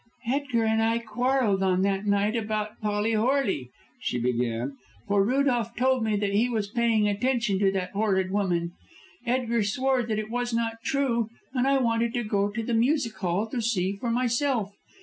"Edgar and I quarrelled on that night about Polly Horley," she began, "for Rudolph told me that he was paying attention to that horrid woman. Edgar swore that it was not true, and I wanted to go to the music hall to see for myself.